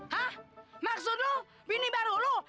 hah maksud lu bini baru lu